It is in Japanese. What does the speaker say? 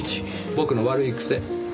僕の悪い癖。